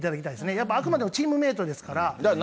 やっぱりあくまでもチームメートですから。